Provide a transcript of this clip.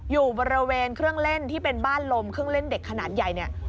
อยู่บริเวณเครื่องเล่นที่เป็นบ้านลมเครื่องเล่นเด็กขนาดใหญ่เนี่ย